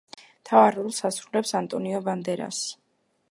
მთავარ როლს ასრულებს ანტონიო ბანდერასი.